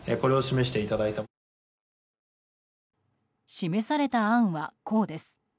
示された案は、こうです。